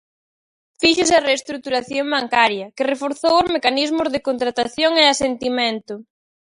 Fíxose a reestruturación bancaria, que reforzou os mecanismos de contratación e asentimento.